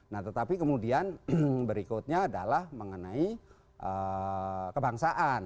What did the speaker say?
nah tetapi kemudian berikutnya adalah mengenai kebangsaan